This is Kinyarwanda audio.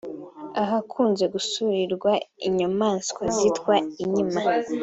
ahakunze gusurirwa inyamanswa zitwa inkima